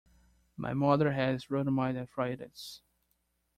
My mother has rheumatoid arthritis.